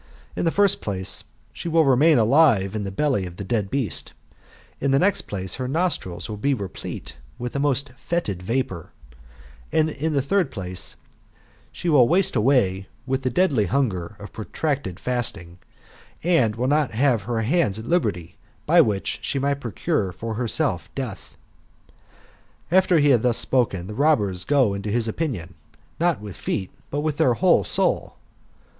In the first place, she will remain alive in the belly of a dead beast ; in the next place, her nostrils will be replete with a most fetid vapour ; and, in the third place, she will waste away with the deadly hunger of protracted fasting, and will not have her hands at liberty, by which she might procure for herself death." After he had thus spoken, the robbers go into his opinion, not with feet, but with their whole soul.